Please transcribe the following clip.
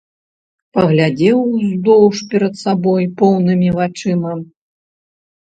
Паглядзеў уздоўж перад сабой поўнымі вачыма.